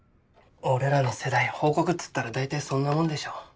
俺らの世代報告っつったらだいたいそんなもんでしょ。